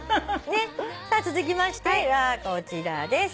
さあ続きましてはこちらです。